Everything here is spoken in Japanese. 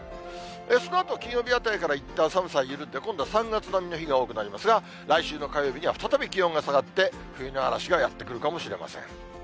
そのあと、金曜日あたりから、いったん寒さ緩んで、今度は３月並みの日が多くなりますが、来週の火曜日には、再び気温が下がって、冬の嵐がやって来るかもしれません。